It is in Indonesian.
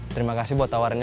terima kasih buat tawarnya